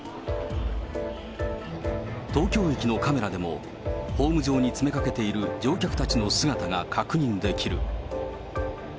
東京駅のカメラでも、ホーム上に詰めかけている乗客たちの姿が確認できる。